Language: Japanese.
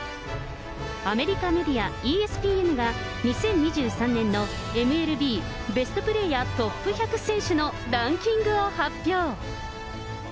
アメリカメディア、ＥＳＰＮが２０２３年のＭＬＢベストプレーヤートップ１００選手のランキングを発表。